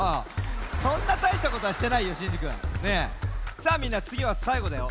さあみんなつぎはさいごだよ。